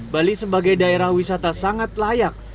bali sebagai daerah wisata sangat layak